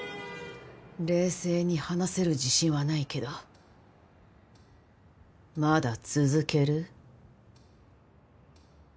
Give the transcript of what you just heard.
冷静に話せる自信はないけどまだ続ける？